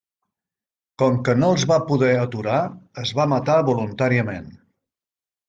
Com que no els va poder aturar es va matar voluntàriament.